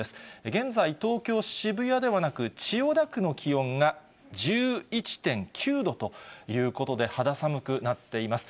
現在、東京・渋谷ではなく、千代田区の気温が１１．９度ということで、肌寒くなっています。